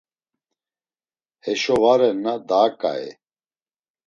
Heşo va renna daha ǩai.